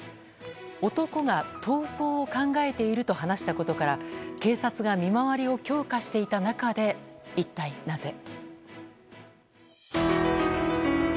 男が逃走を考えていると話したことから警察が見回りを強化していた中で一体なぜ。